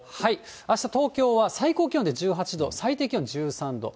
あした東京は最高気温で１８度、最低気温１３度。